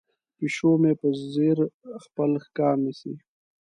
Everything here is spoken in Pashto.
پیشو مې په ځیر خپل ښکار نیسي.